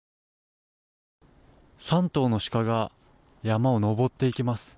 ３頭のシカが山を登っていきます。